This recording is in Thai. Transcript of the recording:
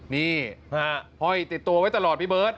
นี่ห้อยติดตัวไว้ตลอดพี่เบิร์ต